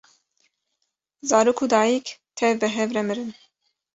zarok û dayîk tev bi hev re mirin